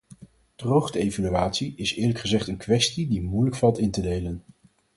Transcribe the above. Droogte-evaluatie is eerlijk gezegd een kwestie die moeilijk valt in te delen.